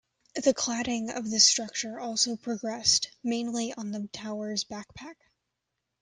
The cladding of the structure also progressed, mainly on the tower's "backpack".